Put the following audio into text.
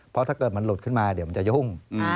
เพราะถ้าเกิดมันหลุดขึ้นมาเดี๋ยวมันจะยุ่ง